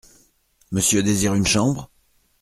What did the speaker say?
Monsieur désire une chambre ?